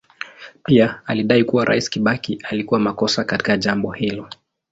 Pia alidai kuwa Rais Kibaki alikuwa makosa katika jambo hilo.